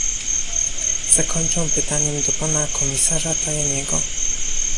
Zakończę pytaniem do pana komisarza Tajaniego